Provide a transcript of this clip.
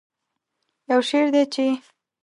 یو شعر دی چې